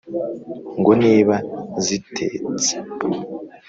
ngo niba zitetse